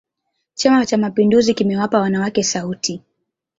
chama cha mapinduzi kimewapa wanawake sauti